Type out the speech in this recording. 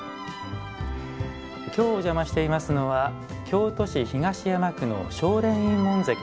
今日お邪魔していますのは京都市東山区の青蓮院門跡です。